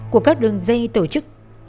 của các đường dây tổ chức